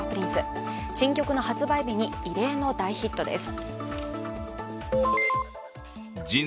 新曲の発売日に異例の大ヒットです。